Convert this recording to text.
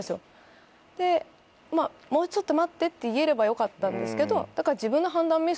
「もうちょっと待って」って言えればよかったんですけどだから自分の。